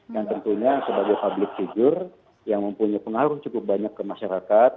yang tentunya sebagai public figure yang mempunyai pengaruh cukup banyak ke masyarakat